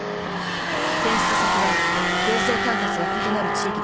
転出先は行政管轄が異なる地域だったはず。